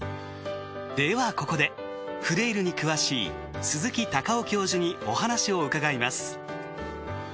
ではここでフレイルに詳しい鈴木隆雄教授にお話を伺います。